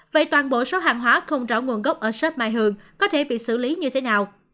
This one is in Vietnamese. vậy toàn bộ số hàng hóa không rõ nguồn gốc ở sh mai hương có thể bị xử lý như thế nào